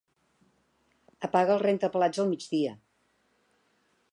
Apaga el rentaplats al migdia.